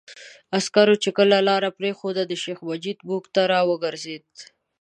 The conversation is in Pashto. عسکرو چې کله لاره پرېښوده، شیخ مجید موږ ته را وګرځېد.